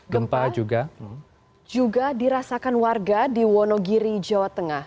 gempa juga dirasakan warga di wonogiri jawa tengah